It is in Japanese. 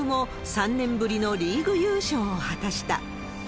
チームも３年ぶりのリーグ優勝を果たした。